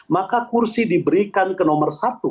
maka kursi diberikan ke nomor satu